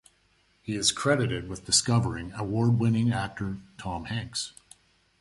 He is credited with discovering award-winning actor Tom Hanks.